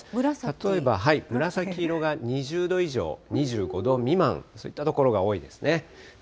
例えば紫色が２０度以上、２５度未満、そういった所が多いですね。